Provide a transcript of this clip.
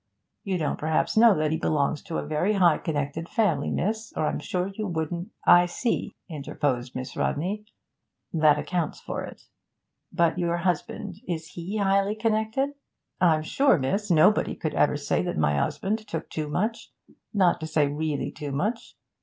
You don't perhaps know that he belongs to a very high connected family, miss, or I'm sure you wouldn't' 'I see,' interposed Miss Rodney. 'That accounts for it. But your husband. Is he highly connected?' 'I'm sure, miss, nobody could ever say that my 'usband took too much not to say really too much.